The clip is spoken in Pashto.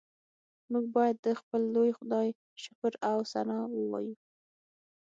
موږ باید د خپل لوی خدای شکر او ثنا ووایو